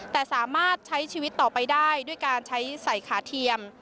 แต่สามารถใช้ชีวิตต่อไปได้ด้วยการใช้ใส่ขาเทียม